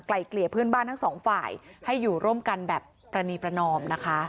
เกลี่ยเพื่อนบ้านทั้งสองฝ่ายให้อยู่ร่วมกันแบบประนีประนอมนะคะ